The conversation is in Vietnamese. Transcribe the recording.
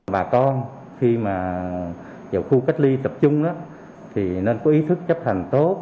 bà con khi mà vào khu cách ly tập trung thì nên có ý thức chấp hành tốt